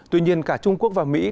tuy nhiên cả trung quốc và mỹ